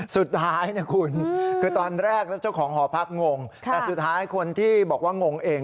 สุดท้ายนะคุณคือตอนแรกแล้วเจ้าของหอพักงงแต่สุดท้ายคนที่บอกว่างงเอง